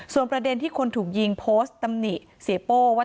ส่วนประเด็นที่คนถูกยิงโพสต์ตำหนิเสียโป้ว่า